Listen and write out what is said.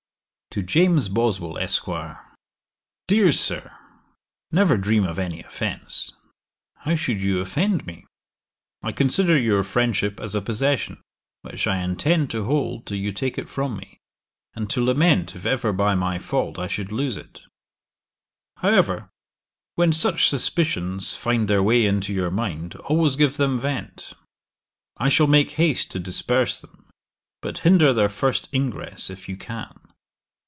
'To JAMES BOSWELL, ESQ. 'DEAR SIR, 'Never dream of any offence. How should you offend me? I consider your friendship as a possession, which I intend to hold till you take it from me, and to lament if ever by my fault I should lose it. However, when such suspicions find their way into your mind, always give them vent; I shall make haste to disperse them; but hinder their first ingress if you can.